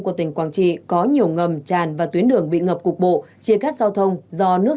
của tỉnh quảng trị có nhiều ngầm tràn và tuyến đường bị ngập cục bộ chia cắt giao thông do nước